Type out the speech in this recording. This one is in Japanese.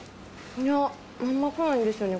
いやあんま来ないんですよね